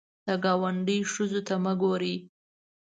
د ګاونډي ښځو ته مه ګورې